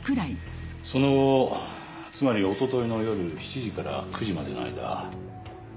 その後つまりおとといの夜７時から９時までの間。